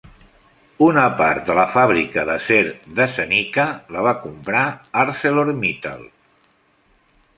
Una part de la fàbrica d'acer de Zenica la va comprar Arcelor Mittal.